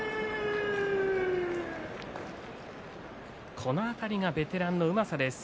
この辺りがベテランのうまさです。